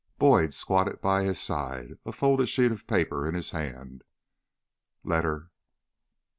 Boyd squatted by his side, a folded sheet of paper in his hand. "... letter